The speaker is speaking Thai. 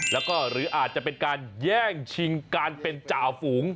แล้วก็หรืออาจจะเป็นการแย่งชิงการเป็นจ่าฝูง